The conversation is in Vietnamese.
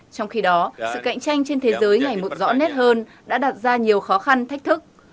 trong khi đó sự cạnh tranh trên thế giới ngày một rõ nét hơn đã đặt ra nhiều khó khăn thách thức